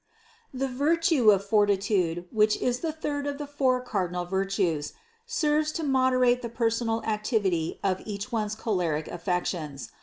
The virtue of fortitude, which is the third of the four cardinal virtues, serves to moderate the personal ac tivity of each one's choleric affections.